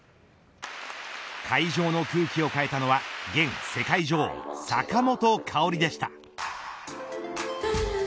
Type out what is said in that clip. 会場の空気を変えたのは現世界女王坂本花織でした。